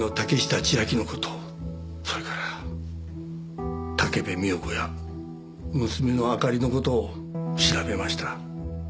それから武部美代子や娘のあかりの事を調べました。